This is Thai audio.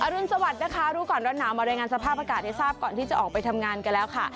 รุนสวัสดิ์นะคะรู้ก่อนร้อนหนาวมารายงานสภาพอากาศให้ทราบก่อนที่จะออกไปทำงานกันแล้วค่ะ